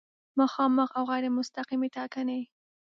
مخامخ او غیر مستقیمې ټاکنې